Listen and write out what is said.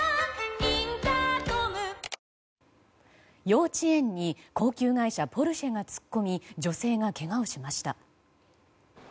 幼稚園に高級外車ポルシェが突っ込み女性がけがをしました。